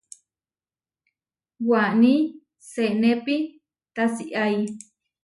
Waní senepí tasiái.